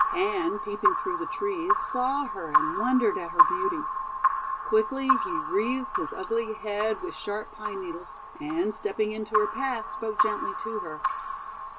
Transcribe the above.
Pan, peeping through the trees, saw her, and wondered at her beauty. Quickly he wreathed his ugly head with sharp pine needles and, step ping into her path, spoke gently to her.